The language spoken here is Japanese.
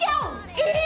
えっ！